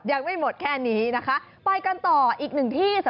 ซ้อมดีใจจูงซ้อมซ้อม